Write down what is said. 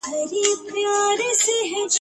زما د مینی شور به تل وی زما د مینی اور به بل وی !.